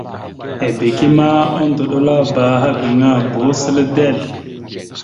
Ebeke ma odolabáaha gaŋa boho səla dezl.